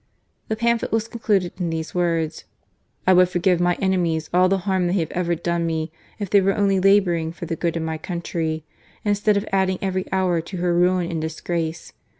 The pamphlet was concluded in these words :" I would forgive my enemies all the harm they have ever done me if they were only labouring for the A VOICE FROM EXILE. 53 good of my country, instead of adding every hour to her ruin and disgrace.